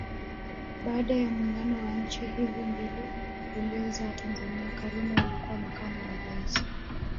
Baada ya muungano wa nchi hizi mbili uliozaa Tanzania Karume alikuwa makamu wa rais